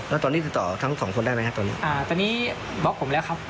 แล้วตอนนี้ติดต่อทั้งสองคนได้ไหมครับตอนนี้อ่าตอนนี้บล็อกผมแล้วครับ